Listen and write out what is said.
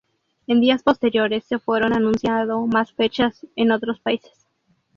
En días posteriores se fueron anunciado más fechas en otros países.